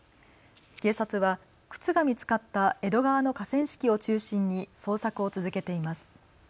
警察は靴が見つかった江戸川の河川敷を中心に捜索を続けています。